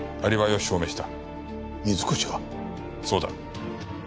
そうだ。